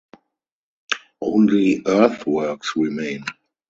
Only earthworks remain.